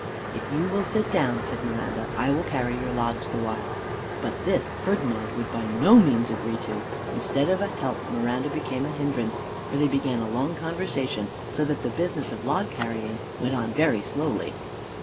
"If you will sit down," said Miranda, "I will carry your logs the while." But this Ferdinand would by no means agree to. Instead of a help Miranda became a hindrance, for they began a long conversation, so that the business of log carrying went on very slowly.